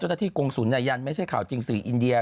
เจ้าหน้าที่กงศุนยันยันย์ไม่ใช่ข่าวจริงสื่ออินเดีย